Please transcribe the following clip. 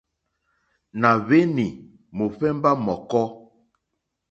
Nà hwenì mohvemba mɔ̀kɔ.